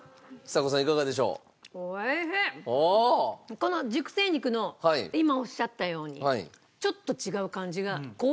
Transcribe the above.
この熟成肉の今おっしゃったようにちょっと違う感じが高級。